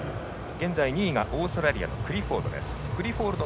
現在、２位がオーストラリアのクリフォード。